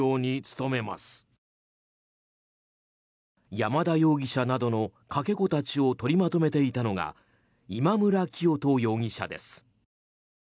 山田容疑者などのかけ子たちを取りまとめていたのが今村磨人容疑者です。